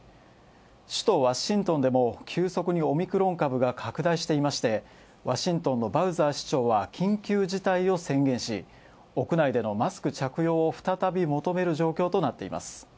首都、ワシントンでも急速にオミクロン株が拡大してまして、ワシントンのバウザー市長は緊急事態を宣言し、屋内でのマスク着用を再び求める状況となっています。